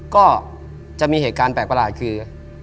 ก็จะมีเหตุการณ์แปลกคือ